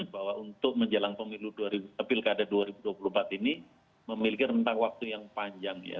bahwa untuk menjelang pemilu pilkada dua ribu dua puluh empat ini memiliki rentang waktu yang panjang ya